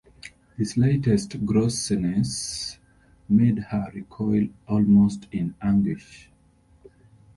The slightest grossness made her recoil almost in anguish.